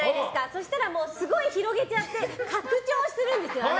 そうしたら、すごい広げちゃって拡張するんですよ。